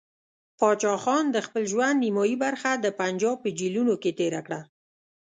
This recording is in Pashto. پاچا خان د خپل ژوند نیمایي برخه د پنجاب په جیلونو کې تېره کړه.